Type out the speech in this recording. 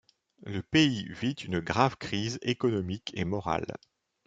Le pays vit une grave crise économique et morale.